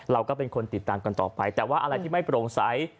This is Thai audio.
เราก็เป็นคนติดตามกันต่อไปแต่ว่าอะไรที่ไม่โปร่งใส